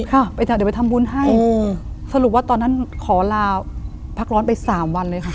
ค่ะไปเถอะเดี๋ยวไปทำบุญให้อืมสรุปว่าตอนนั้นขอลาพักร้อนไปสามวันเลยค่ะ